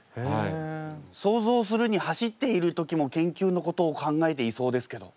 想像するに走っている時も研究のことを考えていそうですけど。